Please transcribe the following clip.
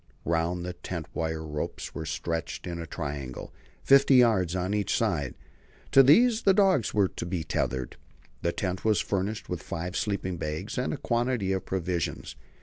Round the tent wire ropes were stretched in a triangle, fifty yards on each side. To these the dogs were to be tethered. The tent was furnished with five sleeping bags and a quantity of provisions.